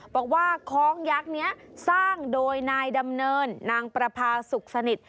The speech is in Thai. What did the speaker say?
บอกว่าคล้องยักษ์นี้สร้างโดยนายดำเนินนางประพาสุขสนิท